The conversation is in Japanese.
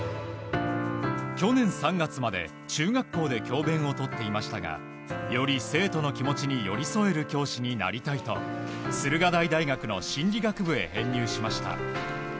去年３月まで、中学校で教鞭をとっていましたがより、生徒の気持ちに寄り添える教師になりたいと駿河台大学の心理学部へ編入しました。